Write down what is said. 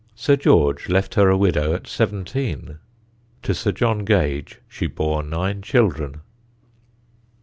Sir George left her a widow at seventeen; to Sir John Gage she bore nine children.